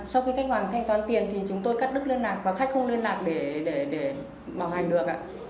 sau khi khách hoàn thanh toán tiền thì chúng tôi cắt đứt liên lạc và khách không liên lạc để bảo hành được ạ